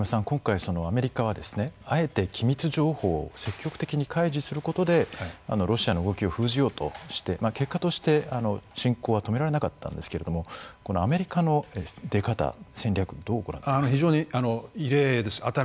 今回アメリカはあえて機密情報を積極的に開示することでロシアの動きを封じようとして結果として侵攻は止められなかったんですがアメリカの出方戦略、どうご覧になりますか。